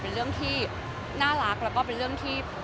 เป็นเรื่องที่น่ารักแล้วก็เป็นเรื่องที่